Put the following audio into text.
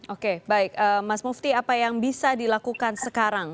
oke baik mas mufti apa yang bisa dilakukan sekarang